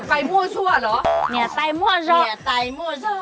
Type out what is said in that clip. อัพร้อมกันนะคะหนึ่งสองสามย่อมนุษย์ป้า